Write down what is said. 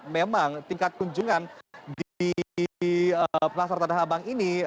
memang tingkat kunjungan di pasar tanah abang ini